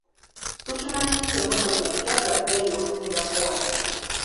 Tukimanyi nti emmotoka empya za bbeeyi okusingako wano.